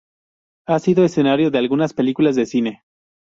Ha sido escenario de algunas películas de cine.